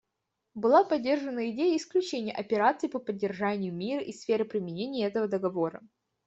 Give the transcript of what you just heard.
Была поддержана идея исключения операций по поддержанию мира из сферы применения этого договора.